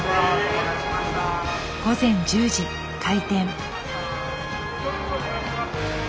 午前１０時開店。